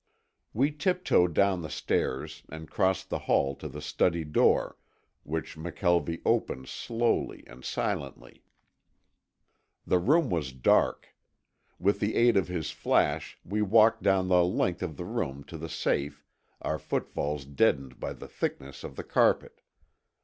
We tiptoed down the stairs and crossed the hall to the study door, which McKelvie opened slowly and silently. The room was dark. With the aid of his flash we walked down the length of the room to the safe, our footfalls deadened by the thickness of the carpet.